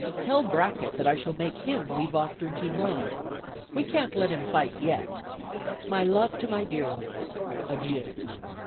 "Tell Brackett I shall make him leave off drinking rum. We can't let him fight yet. My love to my dear ones. "Adieu."